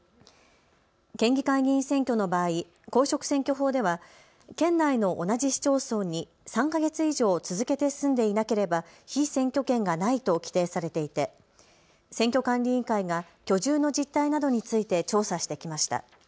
県議会議員選挙の場合、公職選挙法では県内の同じ市町村に３か月以上続けて住んでいなければ被選挙権がないと規定されていて選挙管理委員会が居住の実態などについて調査してきました。